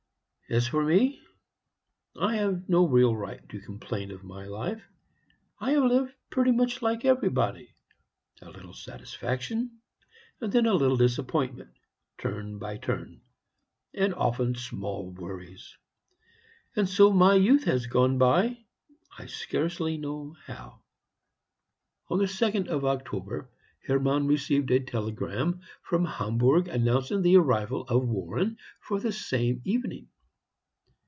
As for me, I have no real right to complain of my life. I have lived pretty much like everybody; a little satisfaction, and then a little disappointment, turn by turn; and often small worries; and so my youth has gone by, I scarcely know how." On the 2d of October Hermann received a telegram from Hamburg announcing the arrival of Warren for the same evening.